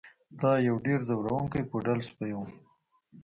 دا یو ډیر ځورونکی پوډل سپی و